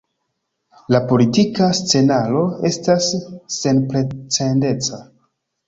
La politika scenaro estas senprecedenca.